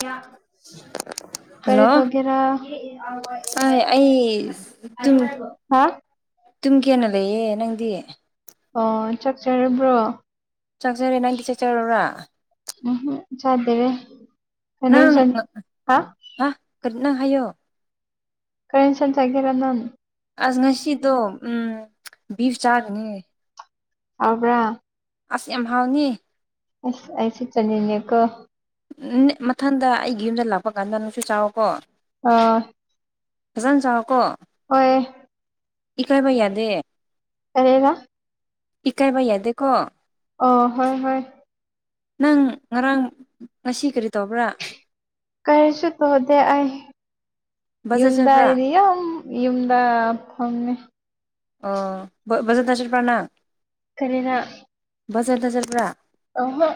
[unintelligible] ꯀꯔꯤ ꯍꯜꯂꯣ ꯇꯧꯒꯦꯔꯥ ꯑꯩ ꯑꯩ ꯍꯥ [unintelligible] ꯇꯨꯝ ꯀꯦꯅ ꯂꯩꯌꯦ ꯅꯪꯗꯤ ꯑꯣ ꯆꯛꯆꯔꯕ꯭ꯔꯣ ꯆꯛ ꯆꯔꯦ ꯅꯪꯗꯤ ꯆꯛ ꯆꯔꯕ ꯆꯗꯔꯤ ꯀꯔꯤ ꯍꯦꯟꯁꯥꯡ ꯍꯥ ꯍꯥ ꯀꯔꯤ ꯅꯪ ꯍꯥꯏꯌꯣ ꯀꯩ ꯅꯁꯟ ꯆꯒꯦꯔꯣ ꯅꯪ ꯑꯁ ꯉꯁꯤꯗꯣ ꯎꯝ ꯕꯤꯐ ꯆꯥꯒꯅꯤ ꯍꯥꯎꯕ꯭ꯔꯥ ꯑꯁ ꯌꯥꯝ ꯍꯥꯎꯅꯤ ꯑꯁ ꯑꯩꯁꯤ ꯆꯅꯤꯡꯉꯦ ꯀꯣ ꯃꯊꯪꯗ ꯑꯩꯒꯤ ꯌꯨꯝꯗ ꯂꯥꯛꯄ ꯀꯥꯟꯗ ꯅꯨꯡꯁꯨ ꯆꯥꯎꯋꯣꯀꯣ ꯑꯥ ꯆꯥꯎꯀꯣ ꯍꯣꯏ ꯏꯀꯥꯏꯕ ꯌꯥꯗꯦ ꯀꯔꯤꯕ ꯏꯀꯥꯏꯕ ꯌꯥꯗꯦꯀꯣ ꯑꯥ ꯍꯣꯏ ꯍꯣꯏ ꯅꯪ ꯉꯔꯥꯡ ꯉꯁꯤ ꯀꯔꯤ ꯇꯧꯕ꯭ꯔꯥ ꯀꯔꯤꯁꯨ ꯇꯧꯗꯦ ꯑꯩ ꯕꯖꯥꯔ ꯌꯨꯝꯗ ꯆꯠꯄ꯭ꯔꯥ ꯑꯩꯗꯤ ꯌꯨꯝꯗ ꯐꯝꯃꯦ ꯑꯣ ꯕꯖꯥꯔꯗ ꯆꯠꯄ꯭ꯔ ꯅꯪ ꯀꯔꯤꯔ ꯕꯖꯔꯗ ꯖꯠꯕ꯭ꯔꯥ ꯑꯥ ꯍꯥ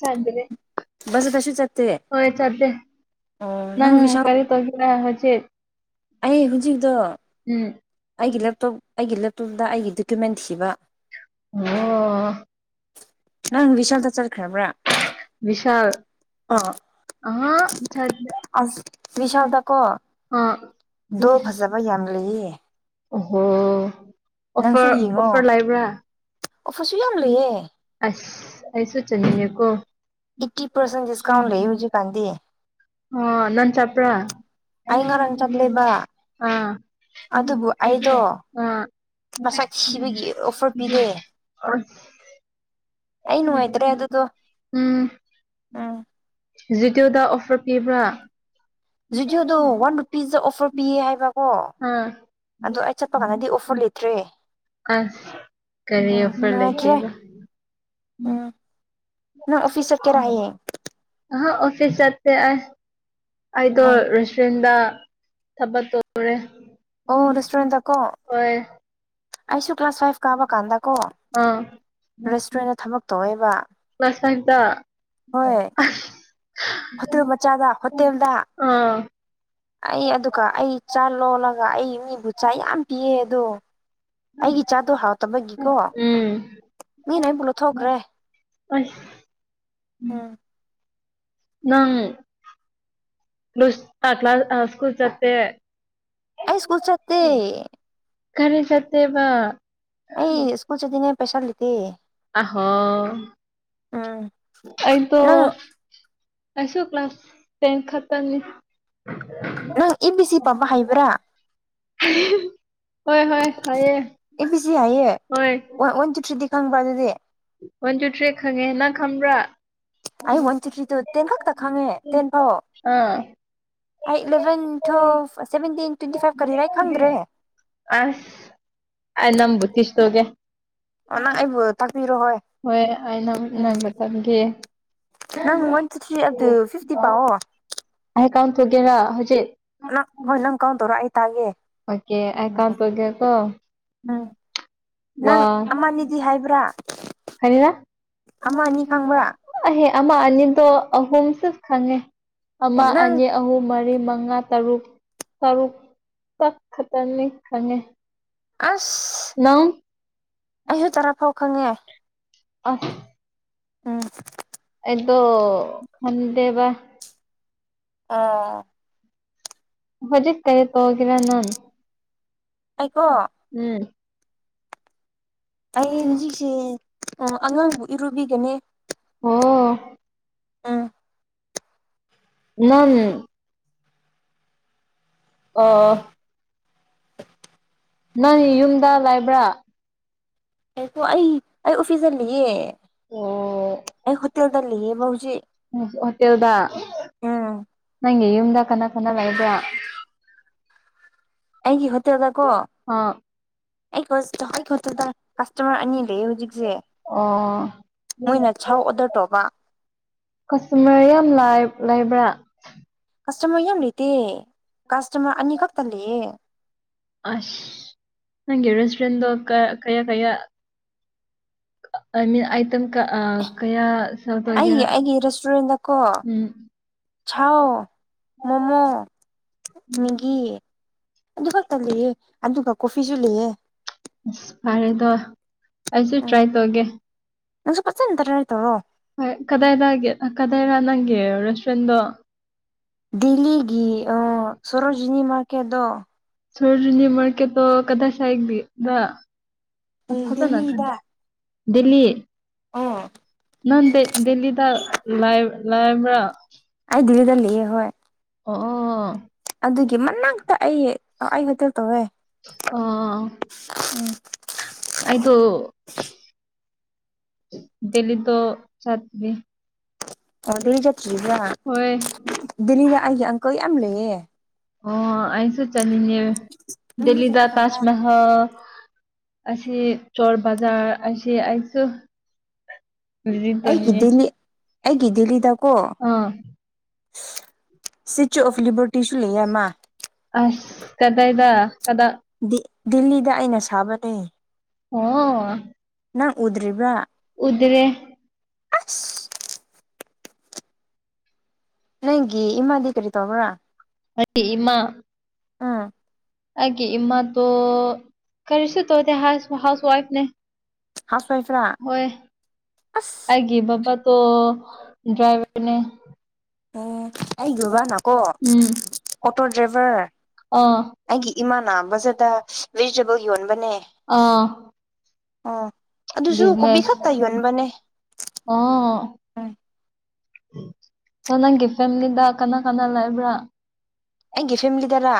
ꯆꯥꯠꯗꯔꯦ ꯕꯖꯥꯔꯗꯁꯨ ꯆꯠꯇꯦ ꯍꯣꯏ ꯆꯠꯗꯦ ꯑꯣ ꯅꯪ ꯕꯤꯁꯥꯜ ꯀꯔꯤ ꯇꯧꯕꯔ ꯍꯧꯖꯤꯛ ꯑꯩ ꯍꯧꯖꯤꯛꯗꯣ ꯎꯝ ꯑꯩꯒꯤ ꯂꯦꯞꯇꯣꯞ ꯑꯩꯒꯤ ꯂꯦꯞꯇꯣꯞ ꯗ ꯑꯩꯒꯤ ꯗꯣꯀꯨꯃꯦꯟ ꯊꯤꯕ ꯑꯣ ꯅꯪ ꯕꯤꯁꯥꯜꯗ ꯆꯠꯈ꯭ꯔꯕ꯭ꯔꯥ ꯕꯤꯁꯜ ꯑꯥ ꯑꯍꯥ ꯁꯠ ꯑꯁ ꯑꯥ ꯗꯣ ꯐꯖꯕ ꯌꯥꯝ ꯂꯩꯌꯦ ꯑꯣꯍꯣ ꯑꯣꯐꯔ ꯑꯣꯐꯔ ꯂꯩꯕ꯭ꯔꯥ ꯑꯣꯐ꯭ꯔꯁꯨ ꯌꯥꯝ ꯂꯩꯌꯦ ꯑꯁ ꯑꯩꯁꯨ ꯆꯠꯅꯤꯡꯉꯦꯀꯣ ꯑꯩꯇꯤ ꯄꯔꯁꯦꯟ ꯗꯤꯁꯀꯥꯎꯟ ꯂꯩ ꯍꯧꯖꯤꯛ ꯀꯥꯟꯗꯤ ꯑꯣ ꯅꯪ ꯆꯠꯄ꯭ꯔꯥ ꯑꯩ ꯉꯔꯥꯡ ꯆꯠꯂꯦꯕ ꯑꯥ ꯎꯝ ꯑꯩꯗꯣ ꯑꯥ ꯃꯁꯛ ꯊꯤꯕꯒꯤ ꯑꯣꯐꯔ ꯄꯤꯗꯦ [unintelligible] ꯑꯩ ꯅꯨꯡꯉꯥꯏꯇ꯭ꯔꯦ ꯑꯗꯨꯗꯣ ꯎꯝ ꯖꯤꯇꯦꯑꯣꯗ ꯑꯣꯐꯔ ꯄꯤꯕ꯭ꯔꯥ ꯨꯖꯤꯀꯦꯠꯇꯣ ꯋꯥꯟ ꯔꯨꯄꯤꯁꯇ ꯑꯣꯐꯔ ꯄꯤꯌꯦ ꯍꯥꯏꯕꯀꯣ ꯑꯣ ꯑꯥ ꯑꯗꯨ ꯑꯩ ꯆꯠꯄ ꯀꯥꯟꯗꯗꯤ ꯑꯣꯐꯔ ꯂꯩꯇ꯭ꯔꯦ ꯑꯁ ꯀꯔꯤ ꯎꯝ ꯑꯣꯐꯔ ꯅꯨꯡꯉꯥꯏꯇ꯭ꯔꯦ ꯂꯩꯇꯦꯕ ꯎꯝ ꯅꯪ ꯑꯣꯐꯤꯁ ꯆꯠꯀꯦꯔ ꯍꯌꯦꯡ ꯑꯍꯥ ꯑꯣꯐꯤꯁ ꯆꯠꯇꯦ ꯑꯩꯗꯣ ꯑꯣ ꯔꯦꯁꯇꯨꯔꯦꯟꯗ ꯊꯕꯛ ꯇꯧꯔꯦ ꯑꯣ ꯔꯦꯁꯇꯣꯔꯦꯟꯗꯀꯣ ꯍꯣꯏ ꯑꯩꯁꯨ ꯀ꯭ꯂꯥꯁ ꯐꯥꯏꯚ ꯀꯥꯕ ꯀꯥꯟꯗ ꯀꯣ ꯑꯥ ꯔꯦꯁꯇꯨꯔꯦꯟꯗ ꯊꯕꯛ ꯇꯧꯋꯦ ꯑꯁꯦꯡꯄ ꯍꯣꯏ ꯍꯣꯇꯦꯜ ꯃꯆꯥꯗ ꯍꯣꯇꯦꯜꯗ ꯑꯥ ꯑꯩ ꯑꯗꯨꯒ ꯑꯩ ꯆꯥ ꯂꯣꯜꯂꯒ ꯑꯩ ꯃꯤꯕꯨ ꯆꯥ ꯌꯥꯝ ꯄꯤꯌꯦ ꯑꯗꯣ ꯑꯩꯒꯤ ꯏꯆꯥꯗꯣ ꯍꯥꯎꯇꯕꯒꯤꯀꯣ ꯎꯝ ꯃꯤꯅ ꯑꯩꯕꯨ ꯂꯧꯊꯣꯛꯈ꯭ꯔꯦ ꯑꯁ ꯎꯝ ꯅꯪ ꯀ꯭ꯂꯥꯁ ꯢꯁꯀꯨꯜ ꯆꯠꯇꯦ ꯑꯩ ꯏꯁꯀꯨꯜ ꯆꯠꯇꯦ ꯀꯔꯤ ꯆꯠꯇꯦꯕ ꯑꯩ ꯏꯁꯀꯨꯜ ꯆꯠꯅꯤꯡ ꯉꯥꯢ ꯄꯩꯁꯥ ꯂꯩꯇꯦ ꯑꯍꯣ ꯎꯝ ꯑꯩꯗꯣ ꯅꯪ ꯑꯁꯨꯛ ꯀ꯭ꯂꯥꯁ ꯇꯦꯟ ꯈꯛ ꯇꯪꯅꯤ ꯅꯪ ꯑꯦ ꯕꯤ ꯁꯤ ꯄꯥꯕꯥ ꯍꯩꯕ꯭ꯔꯥ ꯍꯣꯏ ꯍꯣꯏ ꯍꯩꯌꯦ ꯑꯦ ꯕꯤ ꯁꯤ ꯍꯩꯌꯦ ꯍꯣꯢ ꯋꯥꯟ ꯋꯥꯟ ꯇꯨ ꯊ꯭ꯔꯤꯗꯤ ꯈꯪꯕ꯭ꯔꯥ ꯑꯗꯨꯗꯤ ꯋꯥꯟ ꯇꯨ ꯊ꯭ꯔꯔꯤ ꯈꯪꯉꯦ ꯅꯪ ꯈꯪꯕ꯭ꯔꯥ ꯑꯩ ꯋꯥꯟ ꯆꯤꯊ꯭ꯔꯤꯗꯨ ꯇꯦꯟ ꯈꯛꯇ ꯈꯪꯉꯦ ꯇꯦꯟ ꯐꯥꯎ ꯑꯥ eleven twelve seventeen twenty five ꯀꯔꯤꯔꯥ ꯑꯩ ꯈꯪꯗ꯭ꯔꯦ ꯑꯁ ꯑꯩ ꯅꯪꯕꯨꯊꯤꯁ ꯇꯧꯒꯦ ꯑꯣ ꯅꯪ ꯑꯩꯕꯨ ꯇꯥꯛꯄꯤꯔꯣ ꯍꯣꯏ ꯑꯩꯅ ꯎꯝ ꯅꯪꯕꯨ ꯇꯝꯒ ꯅꯪ ꯋꯥꯟ ꯇꯨ ꯊꯔꯤ ꯑꯗꯨ ꯐꯤꯞꯇꯤ ꯄꯋꯣ ꯍꯥꯏ ꯀꯥꯎꯟ ꯊꯨꯒꯦꯔ ꯍꯧꯖꯤꯛ ꯅ ꯍꯣꯏ ꯅꯪ ꯀꯥꯎ ꯇꯧꯔꯣ ꯑꯩꯥꯏ ꯇꯒꯦ ꯑꯣꯀꯦ ꯑꯩ ꯀꯥꯎꯟ ꯇꯧꯒꯦ ꯀꯣ ꯎꯝ ꯅꯪ ꯑꯃꯅꯤꯗꯤ ꯍꯥꯏꯕ꯭ꯔꯥ ꯍꯩꯌꯥ ꯑꯃ ꯑꯅꯤ ꯈꯪꯕꯔ ꯑꯣꯢ ꯑꯃ ꯑꯅꯤꯗꯨ ꯑꯥ ꯑꯍꯨꯝꯁꯨ ꯈꯪꯉꯦ ꯑꯦ ꯑꯃ ꯅꯪ ꯑꯅꯤ ꯑꯍꯨꯝ ꯃꯔꯤ ꯃꯔꯤ ꯃꯉꯥ ꯇꯔꯨꯛ ꯇꯔꯨꯛꯇꯛ ꯈꯛꯇꯪꯅꯦ ꯈꯪꯉꯦ ꯑꯁ ꯅꯪ ꯑꯩꯁꯨ ꯇꯔꯥ ꯐꯥꯎ ꯈꯪꯉꯦ ꯑꯁ ꯎꯝ ꯇꯣ ꯈꯟꯗꯦꯕ ꯑꯣ ꯍꯧꯖꯤꯛ ꯀꯩ ꯇꯧꯒꯔ ꯅꯪ ꯑꯩꯀꯣ ꯎꯝ ꯑꯩ ꯍꯧꯖꯤꯛꯁꯦ ꯑꯉꯥꯡꯕꯨ ꯏꯔꯨꯕꯤꯒꯅꯤ ꯑꯣ ꯎꯝ ꯅꯪ ꯑꯣ ꯅꯪ ꯌꯨꯝꯗ ꯂꯥꯏꯕ꯭ꯔꯥ ꯑꯩ ꯑꯩ ꯑꯣꯐꯤꯁꯇ ꯂꯩꯌꯦ ꯑꯣ ꯑꯩ ꯍꯣꯇꯦꯜꯗ ꯂꯩꯌꯦꯕ ꯍꯧꯖꯤꯛ ꯍꯣꯇꯦꯜꯗ ꯎꯝ ꯅꯪꯒꯤ ꯌꯨꯃꯗ ꯀꯅꯥ ꯀꯅꯥ ꯂꯩꯕ꯭ꯔ ꯑꯩꯒꯤ ꯍꯣꯠꯇꯗ ꯀꯣ ꯑꯩ ꯍꯠꯇꯗ ꯀꯁꯇꯃ꯭ꯔ ꯑꯅꯤ ꯂꯩꯌꯦ ꯍꯧꯖꯤꯛꯁꯦ ꯑꯣ ꯃꯣꯏꯅ ꯆꯧꯎ ꯑꯣꯗꯔ ꯇꯧꯕ ꯀꯁꯇꯃ꯭ꯔ ꯌꯥꯝ ꯂꯩꯕ꯭ꯔꯥ ꯀꯁꯇꯃꯔ ꯌꯥꯝ ꯂꯩꯇꯦ ꯀꯁꯇꯃꯔ ꯑꯅꯤ ꯈꯛꯇ ꯂꯩꯌꯦ ꯁꯦꯠꯗꯣꯜ ꯀꯌꯥ ꯀꯌꯥ ꯀꯌꯥ ꯑꯅꯤ ꯑꯥꯏꯇꯦꯝꯑꯥ ꯀꯌꯥ ꯁꯦꯜ ꯑꯩ ꯇꯧꯒꯦꯔꯥ ꯑꯩꯒꯤ ꯔꯦꯁꯇꯨꯔꯦꯟꯗꯀꯣ ꯎꯝ ꯁꯥꯎ ꯃꯣꯃꯣ ꯃꯦꯒꯒꯤ ꯑꯗꯨꯒꯛꯇ ꯂꯩꯑꯦ ꯑꯗꯨꯒ ꯀꯣꯐꯤꯁꯨ ꯂꯩꯑꯦ ꯏꯁ ꯐꯔꯦꯗ ꯑꯩꯁꯨ ꯎꯝ ꯇ꯭ꯔꯥꯏ ꯇꯧꯒꯦ ꯅꯪꯁꯨ ꯐꯖꯅ ꯗꯔ ꯔ ꯇꯧꯔꯣ ꯍꯣꯏ ꯀꯗꯥꯥꯏꯗꯒꯤ ꯀꯗꯥꯥꯏꯔ ꯅꯪꯒꯤ ꯔꯦꯁ [unintelligible] ꯗꯣ ꯗꯦꯜꯂꯤꯒꯤ ꯑ ꯁꯣꯔꯣꯖꯤꯅꯤ ꯃꯥꯔꯀꯦꯠꯗꯣ ꯁꯣꯔꯣꯖꯤꯅꯤ ꯃꯥꯔꯀꯦꯇꯣ ꯀꯗꯥꯏ ꯁꯥꯏꯠꯒꯤꯔ ꯑꯪ ꯎꯝ ꯐꯖꯅ ꯈꯪ ꯗꯦꯜꯂꯤꯗ ꯗꯤꯜꯂꯤ ꯑꯣ ꯅꯪ ꯗꯤ ꯗꯤꯜꯂꯤꯗ ꯂꯕ꯭ꯔ ꯑꯩ ꯗꯤꯜꯂꯤꯗ ꯂꯩꯌꯦ ꯍꯣꯏ ꯑꯣ ꯑꯣ ꯑꯗꯨꯒꯤ ꯃꯅꯥꯛꯇ ꯑꯩ ꯑꯩ ꯍꯣꯇꯦꯜ ꯇꯧꯋꯦ ꯑꯣ [unintelligible] ꯎꯝ ꯑꯩꯗꯣ ꯗꯦꯜꯂꯤꯗꯣ ꯆꯠꯇ꯭ꯔꯤ ꯑꯣ ꯗꯤꯜꯂꯤ ꯆꯇ꯭ꯔꯤꯕ ꯗꯤꯜꯂꯤꯗ ꯑꯩꯒꯤ ꯑꯪꯛꯜ ꯌꯥꯝ ꯂꯩꯌꯦ ꯑꯣ ꯑꯩꯁꯨ ꯆꯠꯅꯤꯡꯉꯦ ꯗꯤꯜꯂꯤꯗ ꯇꯥꯖꯃꯍꯜ ꯑꯁꯤ ꯆꯣꯔꯕꯖꯥꯔ ꯑꯁꯤ ꯑꯩꯁꯨ ꯚꯤꯖꯤꯠ ꯑꯩꯒꯤ ꯇꯧꯅꯤꯡꯉꯦ ꯗꯤꯜꯂꯤ ꯑꯩꯒꯤ ꯗꯜꯂꯤꯗꯀꯣ ꯑꯥ ꯁ꯭ꯇꯦꯆꯨ ꯑꯣꯐ ꯂꯤꯕꯔꯇꯤꯁꯨ ꯂꯩꯌꯦ ꯑꯃ ꯀꯗꯥꯥꯏꯗ ꯗꯤ ꯗꯤꯜꯂꯤꯗ ꯑꯩꯅ ꯁꯥꯕꯅꯦ ꯑꯣ ꯅꯪ ꯎꯗ꯭ꯔꯤꯕ꯭ꯔ ꯎꯗꯔꯦ ꯑꯁ ꯅꯪꯒꯤ ꯏꯃꯥꯗꯤ ꯀꯔꯤ ꯇꯧꯕ꯭ꯔ ꯑꯩ ꯏꯃꯥ ꯑ ꯑꯩꯒꯤ ꯏꯃꯥꯗꯣ ꯀꯔꯤꯁꯨ ꯇꯧꯗꯦ ꯍꯥꯎ꯭ꯜꯁ ꯍꯥꯎꯁ ꯋꯥꯏꯐꯅꯦ ꯍꯥꯎꯁ ꯋꯥꯏꯐꯔꯥ ꯍꯣꯏ ꯑꯁ ꯑꯩꯒꯤ ꯕꯥꯕ ꯗꯣ ꯗ꯭ꯔꯥꯏꯚ꯭ꯔꯅꯦ ꯎꯝ ꯑꯩꯒꯤ ꯕꯕꯥꯅꯀꯣ ꯎꯝ ꯑꯣꯇꯣ ꯗ꯭ꯔꯥꯏꯚ꯭ꯔ ꯑꯥ ꯑꯩꯒꯤ ꯏꯃꯥꯅ ꯕꯖꯥꯔꯗ ꯚꯦꯖꯤꯇꯦꯕꯜ ꯌꯣꯟꯕꯅꯦ ꯑꯥ ꯑꯣ ꯑꯗꯨꯁꯨ ꯀꯣꯕꯤ ꯕꯤꯖꯤꯅꯦꯁ ꯈꯛꯇ ꯌꯣꯟꯕꯅꯦ ꯑꯣ ꯎꯝ ꯑꯣ ꯅꯪꯒꯤ ꯐꯦꯃꯤꯂꯤꯗ ꯀꯅꯥ ꯀꯅꯥ ꯂꯩꯏꯕ꯭ꯔ ꯑꯩꯒꯤ ꯐꯦꯃꯤꯂꯤꯗꯔ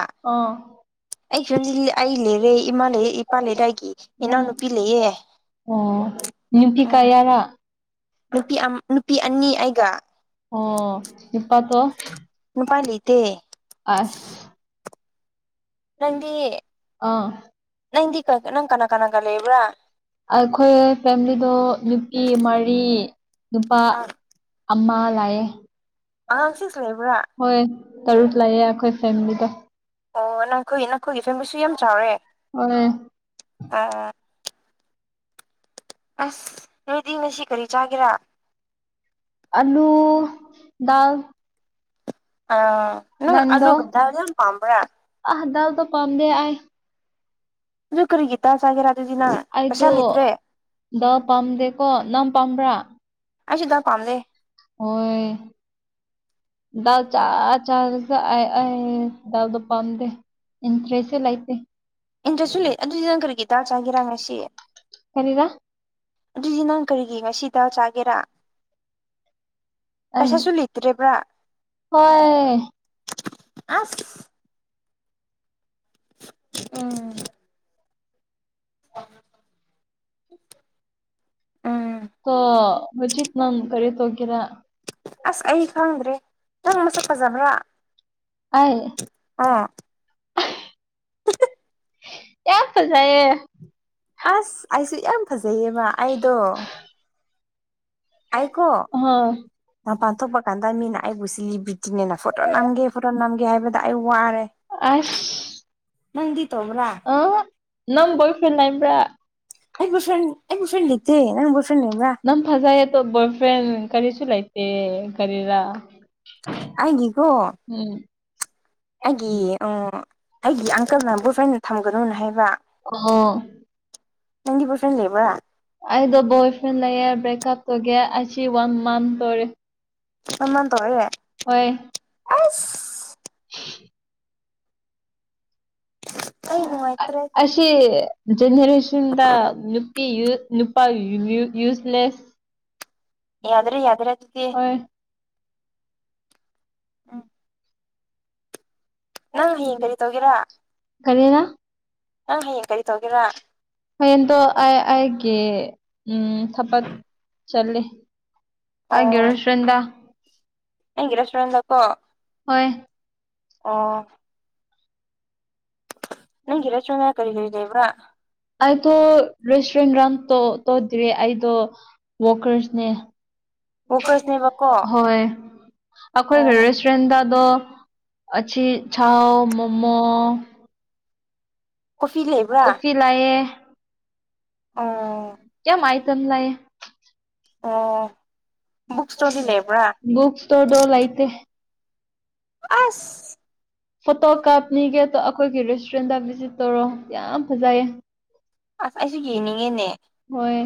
ꯑꯩ ꯐꯤꯃꯤꯂꯤ ꯑꯩ ꯂꯩꯔꯦ ꯏꯃꯥ ꯂꯩꯔꯦ ꯏꯄꯥ ꯂꯩꯔꯦ ꯑꯩꯒꯤ ꯏꯅꯥꯎ ꯅꯨꯄꯤ ꯂꯩꯌꯦ ꯑꯣ ꯅꯨꯄꯤ ꯎꯝ ꯀꯌꯥꯔꯥ ꯅꯨꯄꯤ ꯑꯃ ꯅꯨꯄꯤ ꯑꯅꯤ ꯑꯩꯒ ꯑꯣ [unintelligible] ꯅꯨꯄꯥ ꯂꯩꯇꯦ ꯑꯁ ꯅꯪꯗꯤ ꯑꯥ ꯅꯪꯗꯤ ꯀ ꯅꯪ ꯀꯅꯥ ꯀꯅꯥꯒ ꯂꯩꯕ꯭ꯔ ꯑꯩꯈꯣꯏ ꯐꯦꯃꯤꯂꯤꯗꯣ ꯅꯨꯄꯤ ꯃꯔꯤ ꯅꯨꯄꯥ ꯑ ꯑꯃ ꯂꯩꯌꯦ ꯑꯉꯥꯡ ꯁꯤꯛꯁ ꯂꯩꯕ꯭ꯔꯥ ꯍꯣꯏ ꯇꯔꯨꯛ ꯂꯩꯌꯦ ꯑꯩꯈꯣꯏ ꯐꯦꯃꯤꯂꯤꯗꯣ ꯑꯣ ꯅꯈꯣꯏ ꯅꯈꯣꯏꯒꯤ ꯐꯦꯃꯤꯂꯤꯁꯨ ꯌꯥꯝ ꯆꯥꯎꯋꯦ [unintelligible] ꯑꯥꯑꯥ ꯑꯁ ꯔꯦꯗꯤ ꯉꯁꯤ ꯀꯔꯤ ꯆꯥꯒꯦꯔꯥ ꯑꯂꯨ ꯗꯥꯜ ꯑꯥ ꯅꯪ ꯑꯂꯨ ꯅꯟꯗꯣ ꯙꯥꯜ ꯒꯨꯝꯕ ꯌꯥꯝ ꯄꯥꯝꯕꯔ ꯑꯥ ꯗꯥꯜꯗꯣ ꯄꯥꯝꯗꯦ ꯑꯩ ꯑꯗꯨ ꯀꯔꯤꯒꯤ ꯇ ꯆꯥꯒꯦꯔ ꯑꯩꯗꯣ ꯗꯥꯜ ꯄꯥꯝꯗꯦꯀꯣ ꯅꯪ ꯄꯥꯝꯕ꯭ꯔꯥ ꯑꯩꯁꯨ ꯗꯥꯜ ꯄꯥꯝꯗꯦ ꯑꯣꯏ ꯗꯜ ꯆꯥ ꯆꯥꯔ ꯑꯩ ꯗꯥꯜꯗꯣ ꯄꯥꯝꯗꯦ ꯏꯟꯇ꯭ꯔꯦꯁ ꯂꯥꯏꯇꯦ ꯏꯟꯇ꯭ꯔꯦꯁꯁꯨ ꯂꯩ ꯑꯗꯨꯗꯤ ꯅꯪ ꯀꯔꯤꯒꯤ ꯗꯥꯜ ꯆꯥꯒꯦꯔꯥ ꯉꯁꯤ ꯀꯔꯤꯔ ꯑꯗꯨꯗꯤ ꯅꯪ ꯀꯔꯤꯒꯤ ꯉꯁꯤ ꯗꯥꯜ ꯆꯥꯒꯦꯔꯥ ꯑꯩ ꯄꯩꯁꯥꯁꯨ ꯂꯤꯇ꯭ꯔꯦꯕ꯭ꯔꯥ ꯍꯣꯏ ꯑꯁ ꯎꯝ [unintelligible] ꯎꯝ ꯀꯣ ꯍꯧꯖꯤꯠ ꯅꯪ ꯀꯔꯤ ꯇꯧꯒꯦꯔ ꯑꯁ ꯑꯩ ꯈꯪꯗ꯭ꯔꯦ ꯅꯪ ꯃꯁꯛ ꯐꯖꯥꯕꯔ ꯑꯩ ꯑꯥ ꯑꯦ ꯐꯖꯌꯦ ꯑꯁ ꯑꯩꯁꯨ ꯌꯥꯝ ꯐꯖꯩꯌꯦꯕ ꯑꯩꯗꯣ ꯑꯩꯀꯣ ꯍꯣꯏ ꯃꯄꯥꯟ ꯊꯣꯛꯄ ꯀꯥꯟꯗ ꯃꯤꯅ ꯑꯩꯕꯨ ꯁꯤ ꯂꯤꯕꯤ ꯆꯅꯤꯅ ꯐꯣꯇꯣ ꯅꯝꯒꯦ ꯐꯣꯇꯣ ꯅꯝꯒꯦ ꯍꯥꯏꯕꯗ ꯑꯩ ꯋꯥꯔꯦ ꯑꯁ ꯅꯪꯗꯤ ꯇꯧꯕ꯭ꯔꯥ ꯑꯥ ꯅꯪ ꯕꯣꯢ ꯐꯔꯦꯟ ꯂꯩꯕ꯭ꯔꯥ ꯑꯩ ꯕꯣꯢ ꯐꯦꯟ ꯑꯩ ꯕꯣꯢ ꯐꯦꯔꯦꯟ ꯂꯩꯇꯦ ꯅꯪ ꯕꯣꯏ ꯐ꯭ꯔꯦꯟ ꯂꯩꯕ꯭ꯔꯥ ꯅꯪ ꯐꯖꯔꯤꯗꯣ ꯕꯣꯢ ꯐ꯭ꯔꯦꯟ ꯀꯔꯤꯁꯨꯨ ꯂꯩꯥꯏꯇꯦ ꯀꯔꯤꯔ ꯑꯩ ꯒꯤꯀꯣ ꯑꯩꯒꯤ ꯑꯩꯒꯤ ꯑꯪꯀꯜꯅ ꯕꯣꯏ ꯐꯟ ꯊꯝꯒꯅꯨ ꯍꯥꯏꯕ ꯑꯣ ꯅꯪꯗꯤ ꯕꯣꯢ ꯐꯔꯦꯟ ꯂꯩꯕꯔ ꯑꯩꯗꯣ ꯕꯣꯏ ꯐ꯭ꯔꯦꯟ ꯂꯩꯌꯦ ꯕ꯭ꯔꯦꯛꯀꯞ ꯇꯧꯒꯦ ꯑꯁꯤ ꯋꯥꯟ ꯃꯟ ꯇꯧꯔꯦ ꯀꯃꯥꯢ ꯇꯧꯔꯒ ꯍꯣꯏ ꯑꯁ ꯑꯩ ꯅꯨꯡꯉꯥꯏꯇ꯭ꯔꯦ ꯑꯁꯤ ꯖꯅꯔꯦꯁꯟꯗ ꯅꯨꯄꯤ ꯌꯨꯠ ꯅꯨꯄꯥ ꯌꯨꯁꯂꯦꯁ ꯌꯥꯗ꯭ꯔꯦ ꯌꯥꯗ꯭ꯔꯦ ꯑꯗꯨꯗꯤ ꯍꯣꯢ ꯎꯝ ꯅꯪ ꯍꯌꯦꯡ ꯀꯔꯤ ꯇꯧꯒꯦꯔ ꯀꯔꯤꯔ ꯇꯧꯒꯦꯔꯥ ꯍꯣꯔꯦꯟꯗꯣ ꯑ ꯑꯩ ꯀꯤ ꯎꯝ ꯊꯕꯛ ꯆꯠꯂꯦ ꯑꯩꯒꯤ ꯑꯣ ꯔꯦꯁꯇꯨꯔꯦꯟꯗ ꯅꯪꯒꯤ ꯔꯦꯁꯣꯔꯦꯟ ꯗꯀꯣ ꯍꯣꯏ ꯑꯣ ꯅꯪꯒꯤ ꯔꯦꯁꯇꯨꯔꯦꯟꯗ ꯀꯔꯤ ꯀꯔꯤ ꯂꯩꯕ꯭ꯔꯥ ꯑꯩꯗꯣ ꯔꯦꯁꯇꯨꯔꯦꯟ ꯔꯟ ꯇꯧꯗ꯭꯭ꯔꯦ ꯑꯩꯗꯣ ꯋꯥꯀꯔꯁꯅꯦ ꯋꯥꯀꯔꯁꯅꯦꯕꯀꯣ ꯍꯣꯏ ꯑꯩꯈꯣꯏꯒꯤ ꯑꯣ ꯔꯦꯁꯇꯨꯔꯦꯟꯗꯗꯣ ꯑꯆꯤ ꯆꯥꯎ ꯃꯣꯃꯣ ꯀꯣꯐꯤ ꯂꯩꯕ꯭ꯔꯥ ꯀꯣꯐꯤ ꯂꯥꯏꯌꯦ ꯑꯣ [unintelligible] ꯑꯣ ꯕꯨꯛ ꯕꯨꯛꯇꯗꯤ ꯏꯁꯇꯣꯔꯗꯤ ꯂꯩꯕ꯭ꯔ ꯂꯩꯕ꯭ꯔꯥ ꯕꯨꯛꯇꯣꯗꯣ ꯂꯩꯇꯦ ꯑꯁ ꯐꯣꯇꯣ ꯀꯥꯞꯂꯤꯒꯦ [unintelligible] ꯑꯩꯈꯣꯏꯒꯤ ꯔꯦꯁꯇꯨꯔꯦꯟꯗ ꯚꯤꯖꯤꯠ ꯇꯧꯔꯣ ꯌꯥꯝ ꯐꯖꯩꯌꯦ ꯑꯁ ꯑꯩꯁꯨ ꯎꯝ ꯌꯦꯡꯅꯤꯡꯉꯦꯅꯦ ꯍꯣꯏꯌꯦ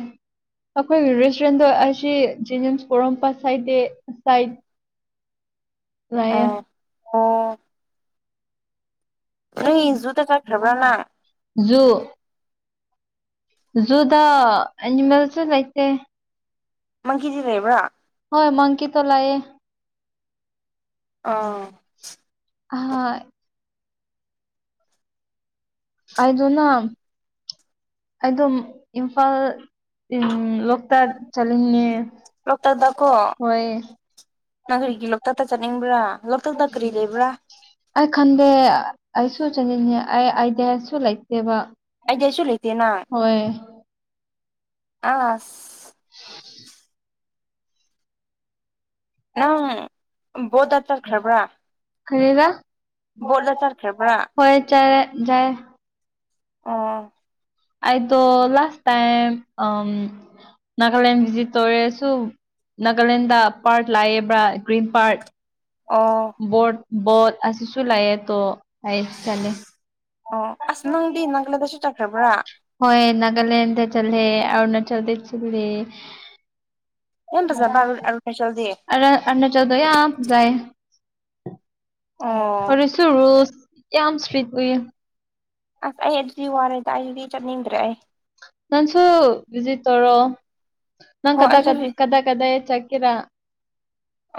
ꯑꯈꯣꯏꯒꯤ ꯔꯦꯁꯇꯨꯔꯦꯟꯗꯣ ꯑꯁꯤ ꯖꯦꯅꯤꯝꯁ ꯄꯣꯔꯣꯝꯄꯥꯠ ꯁꯥꯏꯠꯗꯦ ꯁꯥꯏꯠ ꯑ ꯂꯩꯌꯦ ꯑꯣ ꯅꯪ ꯏꯟꯖꯨꯗꯣ ꯆꯠꯈ꯭ꯔꯕ ꯅꯪ ꯖꯨ ꯖꯨꯨꯗꯥ ꯑꯦꯅꯤꯃꯦꯜꯁꯨ ꯂꯩꯇꯦ ꯃꯪꯀꯤꯗꯤ ꯂꯩꯕ꯭ꯔ ꯀꯤꯇꯣ ꯂꯩꯌꯦ ꯑꯥ ꯑꯍꯣꯏ ꯑꯥꯏꯗꯣꯅꯥꯝ ꯑꯗꯨꯝ ꯏꯝꯐꯥꯜ ꯏꯝꯂꯣ ꯇ ꯆꯂꯤꯡꯉꯦ ꯂꯣꯛꯇꯥꯛꯇꯀꯣ ꯍꯣꯏꯌꯦ ꯀꯔꯤꯒꯤ ꯂꯣꯛꯇꯛꯇ ꯆꯠꯅꯤꯡꯕ꯭ꯔꯥ ꯂꯣꯛꯇꯛꯇ ꯀꯔꯤ ꯂꯩꯕ꯭ꯔꯥ ꯑꯩ ꯈꯟꯗꯦ ꯑꯩꯁꯨ ꯆꯅꯤꯡꯉꯦ ꯑꯩ ꯑꯩꯗꯤꯌꯥꯁꯨ ꯂꯩꯇꯦꯕ ꯑꯥꯏꯗ꯭ꯌꯁꯨ ꯂꯩ ꯍꯣꯏ ꯑꯁ [inaudible] ꯅꯪ ꯕꯣꯔꯗꯇ ꯆꯠꯈ꯭ꯔꯕ꯭ꯔ ꯀꯔꯤꯔꯥ ꯕꯣꯠꯌ ꯆꯠꯈ꯭ꯔꯕ ꯖꯥꯏ ꯑꯣ ꯑꯥꯏꯗꯣ ꯂꯥꯁ ꯇꯥꯏꯝ ꯑꯝ ꯅꯥꯒꯥꯂꯦꯟ ꯚꯤꯖꯤꯠꯇꯣꯔꯦꯁꯨ ꯅꯥꯒꯥꯂꯦꯟꯗ ꯄꯥꯔꯠꯛ ꯂꯩꯌꯦꯑꯕ ꯒ꯭ꯔꯤꯟ ꯄꯥꯔꯛ ꯑꯣ ꯕꯣꯠ ꯑꯁꯤꯁꯨ ꯂꯩꯌꯦꯇꯣ ꯍꯥꯏ ꯇꯣ ꯑꯣ ꯑꯁ ꯅꯪꯗꯤ [unintelligible] ꯅꯥꯒꯥꯂꯦꯟꯗꯁꯨ ꯆꯠꯈ꯭ꯔꯕ꯭ꯔꯥ ꯍꯣꯏ ꯅꯥꯒꯥꯂꯦꯟꯗ ꯆꯠꯂꯦ ꯑꯔꯨꯅꯥꯆꯜꯗ ꯆꯠꯂꯦ ꯌꯥꯝ ꯐꯖꯕ ꯑꯔꯨꯅꯥꯆꯜꯗꯤ ꯑꯔꯨ ꯑꯔꯨꯅꯥꯆꯜꯗꯣ ꯌꯥꯝ ꯐꯖꯩ ꯑꯣ ꯍꯧꯖꯤꯛꯁꯨ ꯔꯨꯜꯁ ꯌꯥꯝ ꯁ꯭ꯇꯤꯛ ꯑꯣꯏꯌꯦ ꯑꯁ ꯑꯩ ꯑꯗꯨꯗꯤ ꯋꯥꯔꯦꯗ ꯑꯩꯗꯤ ꯆꯠꯅꯤꯡꯗ꯭ꯔꯦ ꯑꯩ ꯅꯟꯁꯨ ꯚꯤꯖꯤꯠ ꯇꯧꯔꯑꯣ ꯅꯪ ꯍꯣꯏ ꯀꯗꯥꯏ ꯑꯩꯁꯨ ꯀ ꯀꯗꯥꯏ ꯀꯗꯥꯏ ꯆꯠ ꯀꯦꯗ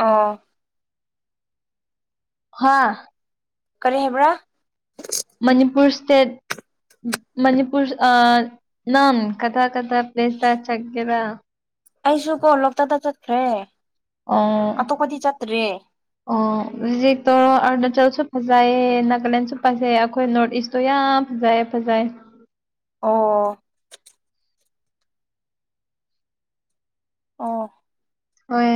ꯑꯣ ꯍꯥ ꯀꯔꯤ ꯍꯥꯏꯕ꯭ꯔ ꯃꯅꯤꯄꯨꯔ ꯁꯇꯦꯠ ꯃꯅꯤꯄꯨꯔ ꯑꯥ ꯅꯪ ꯀꯗꯥ ꯀꯗꯥ ꯄ꯭ꯂꯦꯁꯇ ꯆꯠꯀꯦꯔ ꯑꯩꯁꯨ ꯀꯣ ꯂꯣꯛꯇꯥꯛꯇ ꯆꯠꯈ꯭ꯔꯦ ꯑꯣ ꯑꯇꯣꯞꯄꯗꯤ ꯆꯠꯇ꯭ꯔꯦ ꯑꯣ ꯚꯤꯖꯤꯠ ꯇꯣꯔꯣ ꯑꯔꯨꯅꯆꯜ ꯁꯨ ꯐꯖꯩꯌꯦ ꯅꯥꯒꯥꯂꯦꯟꯁꯨ ꯐꯖꯩ ꯑꯩꯈꯣꯏ ꯅꯣꯔꯠ ꯏꯁꯇꯣ ꯌꯥꯝ ꯐꯖꯩꯌꯦ ꯐꯖꯩ ꯑꯣ ꯑꯣ ꯍꯣꯏ